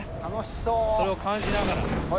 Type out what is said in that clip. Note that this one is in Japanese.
それを感じながら。